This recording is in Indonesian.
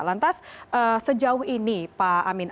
lantas sejauh ini pak amin